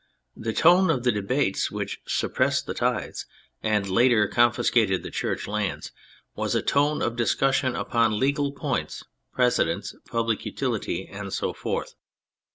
The tone of the debates which suppressed the tithes, and later con fiscated the Church lands, was a tone of dis cussion upon legal points, precedents, public utility, and so forth.